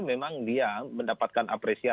memang dia mendapatkan apresiasi